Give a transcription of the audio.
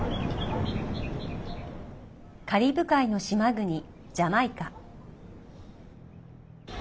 カリブ海の島国、ジャマイカ。